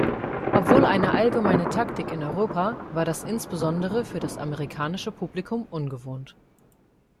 Obwohl eine allgemeine Taktik in Europa, war das insbesondere für das amerikanische Publikum ungewohnt.